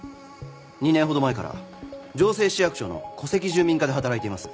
２年ほど前から城成市役所の戸籍住民課で働いています。